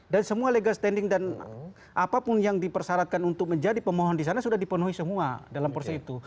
dan semua legal standing dan apapun yang dipersyaratkan untuk menjadi pemohon disana sudah dipenuhi semua dalam proses itu